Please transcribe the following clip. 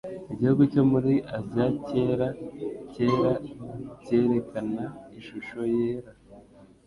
igihugu cyo muri Aziya cyera cyera cyerekana ishusho yera